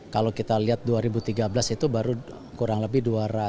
kalau kita lihat dua ribu tiga belas itu baru kurang lebih dua ratus